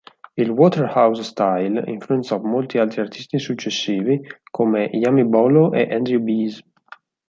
Il "Waterhouse style" influenzò molti altri artisti successivi come Yami Bolo e Andrew Bees.